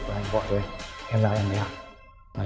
và anh gọi về em ra em về